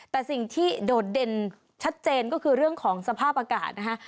แต่สิ่งที่โดดเด่นชัดเจนก็คือเรื่องของสภาพอากาศนะคะ